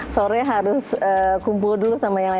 sore harus kumpul dulu sama yang lain